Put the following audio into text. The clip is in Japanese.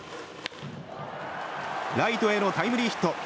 ライトへのタイムリーヒット。